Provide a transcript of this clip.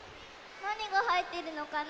なにがはいっているのかな？